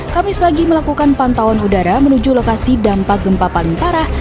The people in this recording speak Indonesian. kamis pagi melakukan pantauan udara menuju lokasi dampak gempa paling parah